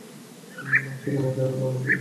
সেখানে এখনই রওনা দেব।